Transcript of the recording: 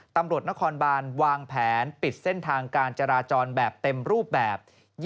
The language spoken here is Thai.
ตำรวจนครบานวางแผนปิดเส้นทางการจราจรแบบเต็มรูปแบบ